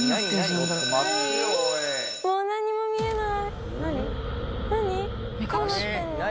もう何も見えない。